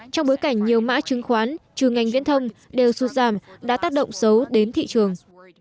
trong bối cảnh nhiều mã chứng khoán trừ ngành viễn thông đều sụt giảm đã tác động xấu đến thị trường